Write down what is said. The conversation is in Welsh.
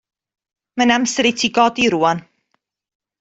Mae'n amser i ti godi rŵan.